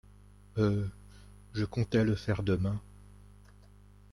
Euh, je comptais le faire demain...